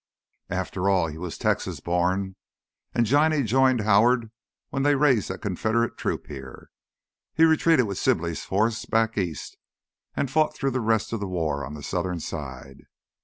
After all, he was Texas born. And Johnny joined Howard when they raised that Confederate troop here. He retreated with Sibley's force back east and fought through the rest of the war on the Southern side.